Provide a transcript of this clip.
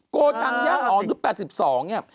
โกดังยังอ๋อศุษย์๘๒เนี่ย